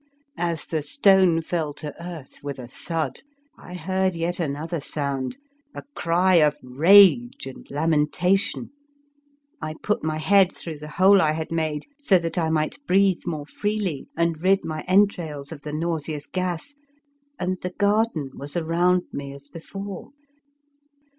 As the stone fell to earth with a thud I heard yet another sound, a cry of rage and lamentation. I put my head through the hole I had made so that I might breathe more freely and rid my entrails of the nauseous gas, and the garden was around me as before.